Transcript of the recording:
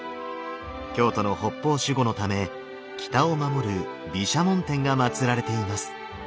京都の北方守護のため北を守る毘沙門天がまつられています。